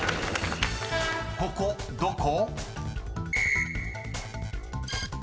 ［ここどこ？］